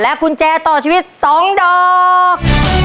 กุญแจต่อชีวิต๒ดอก